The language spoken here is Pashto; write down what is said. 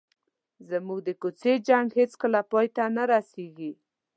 زموږ د کوڅې جنګ هېڅکله پای ته نه رسېږي.